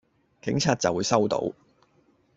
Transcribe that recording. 警察就會收到